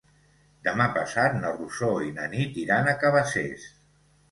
Demà passat na Rosó i na Nit iran a Cabacés.